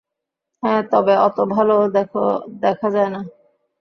হ্যাঁ, তবে অত ভালোও দেখা যায় না।